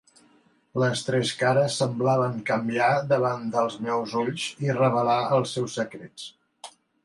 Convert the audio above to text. Les tres cares semblaven canviar davant dels meus ulls i revelar els seus secrets.